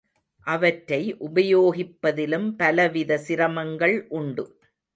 அவற்றை உபயோகிப்பதிலும் பலவித சிரமங்கள் உண்டு.